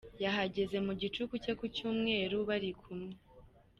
Yahageze mu gicuku cyo ku Cyumweru, bari kumwe.